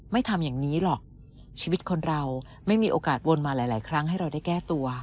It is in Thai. ทำอย่างนี้หรอกชีวิตคนเราไม่มีโอกาสวนมาหลายครั้งให้เราได้แก้ตัว